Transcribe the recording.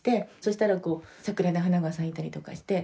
したら桜の花が咲いたりとかして。